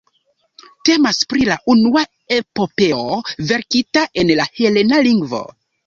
Temas pri la unua epopeo verkita en la helena lingvo.